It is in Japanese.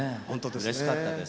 うれしかったです。